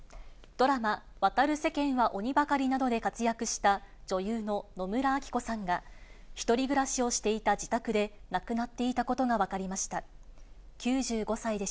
ドラマ、渡る世間は鬼ばかりなどで活躍した女優の野村昭子さんが、１人暮らしをしていた自宅で亡くなっていたことが分かりました。